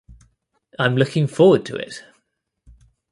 I’m looking forward to it!